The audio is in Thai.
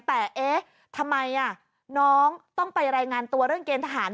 แต่เอ๊ะทำไมน้องต้องไปรายงานตัวเรื่องเกณฑหาร